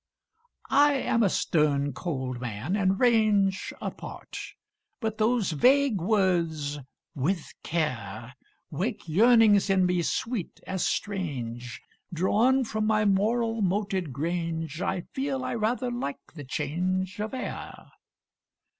I am a stern cold man, and range Apart: but those vague words "With care" Wake yearnings in me sweet as strange: Drawn from my moral Moated Grange, I feel I rather like the change Of air.